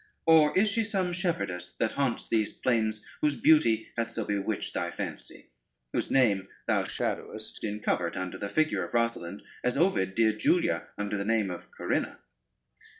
Or is she some shepherdess that haunts these plains whose beauty hath so bewitched thy fancy, whose name thou shadowest in covert under the figure of Rosalynde, as Ovid did Julia under the name of Corinna?